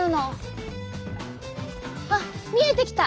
あっ見えてきた！